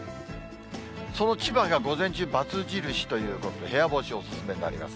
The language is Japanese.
その千葉が午前中、バツ印ということで、部屋干し、お勧めになります。